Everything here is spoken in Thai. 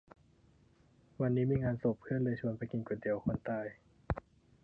วันนี้มีงานศพ เพื่อนเลยชวนไปกินก๋วยเตี๋ยวคนตาย